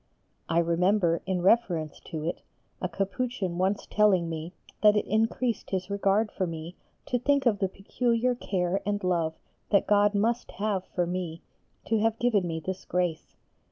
I remember, in reference to it, a Capuchin once telling me that it increased his regard for me to think of the peculiar care and love that God must have for me to have given me this grace....